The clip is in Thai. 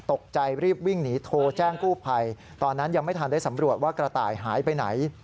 ตกใจรีบวิ่งหนีโทรแจ้งกู้ภัยตอนนั้นยังไม่ทันได้สำรวจว่ากระต่ายหายไปไหน